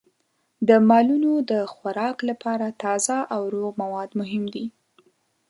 د مالونو د خوراک لپاره تازه او روغ مواد مهم دي.